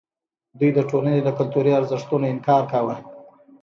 دوی د ټولنې له کلتوري ارزښتونو انکار کاوه.